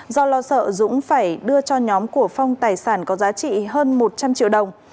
do lo sợ dũng phải đưa cho nhóm của phong tài sản có giá trị hơn một trăm linh triệu đồng